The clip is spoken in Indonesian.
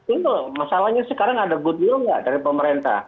itu masalahnya sekarang ada goodwill nggak dari pemerintah